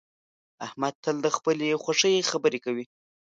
احمد تل د خپلې خوښې خبرې کوي